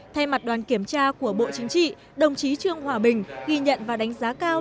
thay mặt đoàn kiểm tra của bộ chính trị đồng chí trương hòa bình ghi nhận và đánh giá cao